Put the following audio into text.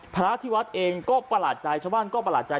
พระทิวัฒน์เองก็ประหลาดใจชะวันก็ประหลาดใจ